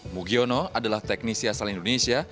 mugiono adalah teknisi asal indonesia